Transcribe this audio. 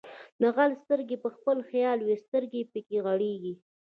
د غله سترګې په خپله حال وایي، سترګې یې پکې غړېږي.